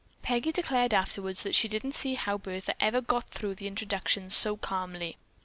Peggy declared afterwards that she didn't see how Bertha ever got through the introductions so calmly.